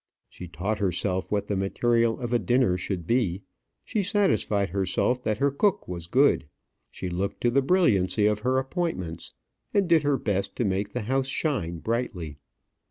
She taught herself what the material of a dinner should be, she satisfied herself that her cook was good, she looked to the brilliancy of her appointments, and did her best to make the house shine brightly.